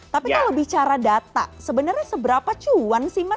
tapi kalau bicara data sebenarnya seberapa cuan sih mas